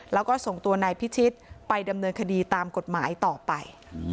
แล้วก็ส่งตัวนายพิชิตไปดำเนินคดีตามกฎหมายต่อไป